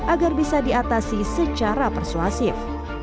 agar bisa diatasi secara persuasif